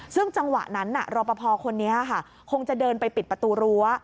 ซึ่งจังหวะนั้นรอปภคนนี้ค่ะคงจะเดินไปปิดประตูรั้ว